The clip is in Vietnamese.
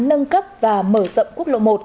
nâng cấp và mở rộng quốc lộ một